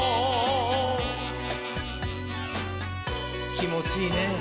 きもちいいねぇ。